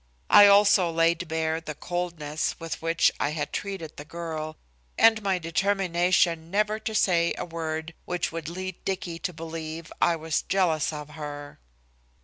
I also laid bare the coldness with which I had treated the girl, and my determination never to say a word which would lead Dicky to believe I was jealous of her.